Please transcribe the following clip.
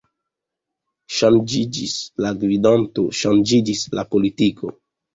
Ŝanĝiĝis la gvidanto, ŝanĝiĝis la politiko.